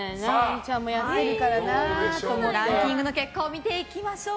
ランキングの結果を見ていきましょう。